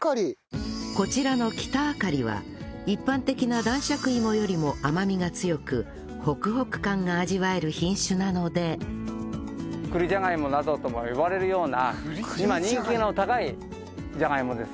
こちらのキタアカリは一般的な男爵いもよりも甘みが強くホクホク感が味わえる品種なのでなどとも言われるような今人気の高いじゃがいもです。